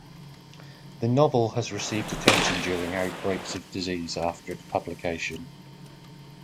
The novel has received attention during outbreaks of disease after its publication.